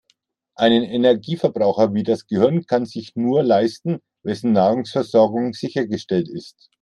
Einen Energieverbraucher wie das Gehirn kann sich nur leisten, wessen Nahrungsversorgung sichergestellt ist.